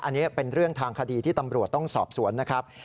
อันนี้เป็นเรื่องทางคดีที่ตำรวจต้องสอบสวนนะครับ